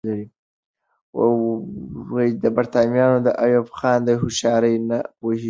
برتانويان د ایوب خان هوښیاري نه پوهېږي.